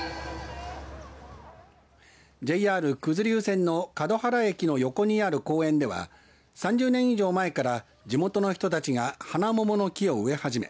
ＪＲ九頭竜線の勝原駅の横にある公園では３０年以上前から地元の人たちがハナモモの木を植え始め